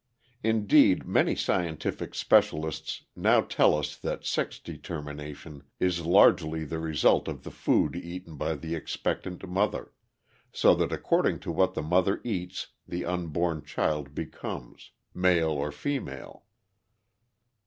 Indeed, many scientific specialists now tell us that sex determination is largely the result of the food eaten by the expectant mother, so that according to what the mother eats the unborn child becomes male or female.